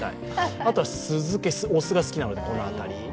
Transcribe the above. あとは酢漬け、お酢が好きなのでこの辺り。